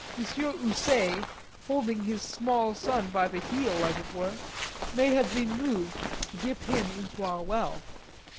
Houssaye, holding his small son by the heel as it were, may have been moved to dip him into our well.